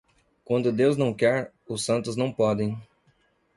Quando Deus não quer, os santos não podem.